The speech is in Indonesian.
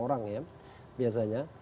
orang ya biasanya